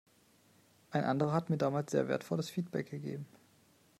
Ein anderer hat mir damals sehr wertvolles Feedback gegeben.